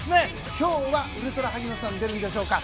今日はウルトラ萩野さん出るんでしょうか。